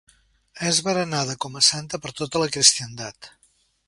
És venerada com a santa per tota la cristiandat.